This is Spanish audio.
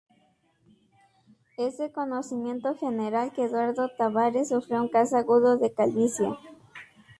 Es de conocimiento general que Eduardo Tavares sufrió un caso agudo de calvicie.